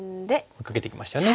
追いかけてきましたね。